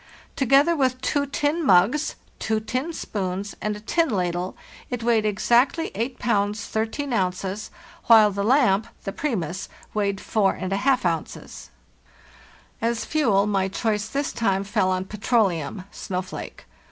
Together with two tin mugs, two tin spoons, and a tin ladle, it weighed exactly 8 pounds 13 ounces, while the lamp, the " Primus," weighed 45 ounces. As fuel, my choice this time fell on petroleum ("snow flake").